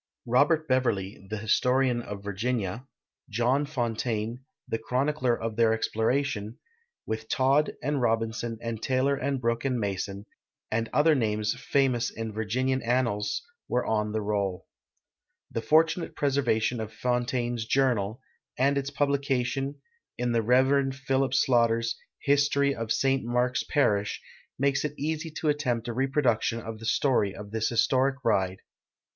Robert Beverly, the historian of Virginia ; .John Fontaine, the chronicler of their exploration, with Todd and Robinson and Taylor and Brooke and Mason, and other names famous in Vir ginian annals, were on the roll. The fortunate preservation of Fontaine's Journal, and its publication* in the Rev. Philip Slaughter's " History of St. Mark's Parish," makes it eas}'' to attempt a reproduction of the story of this historic ride.